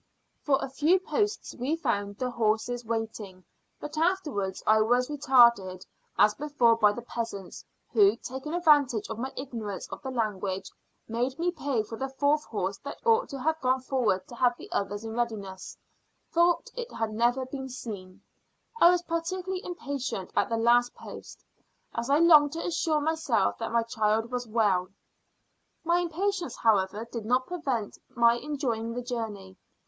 For a few posts we found the horses waiting; but afterwards I was retarded, as before, by the peasants, who, taking advantage of my ignorance of the language, made me pay for the fourth horse that ought to have gone forward to have the others in readiness, though it had never been sent. I was particularly impatient at the last post, as I longed to assure myself that my child was well. My impatience, however, did not prevent my enjoying the journey.